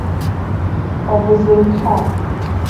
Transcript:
Ọ bụzị nke a